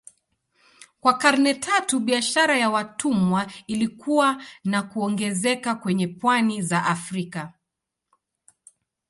Kwa karne tatu biashara ya watumwa ilikua na kuongezeka kwenye pwani za Afrika.